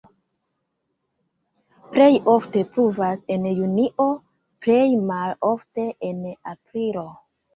Plej ofte pluvas en junio, plej malofte en aprilo.